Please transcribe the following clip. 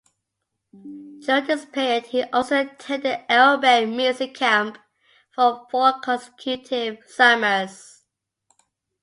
During this period he also attended Arrowbear Music Camp for four consecutive summers.